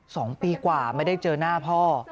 สองปีกว่าไม่ได้เจอหน้าพ่อ